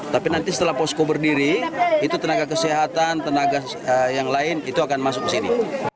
tapi nanti setelah posko berdiri itu tenaga kesehatan tenaga yang lain itu akan masuk ke sini